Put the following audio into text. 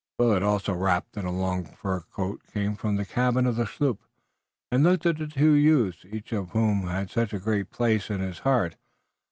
Willet, also wrapped in a long fur cloak, came from the cabin of the sloop and looked at the two youths, each of whom had such a great place in his heart.